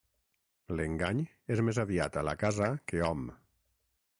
L'engany és més aviat a la casa que hom.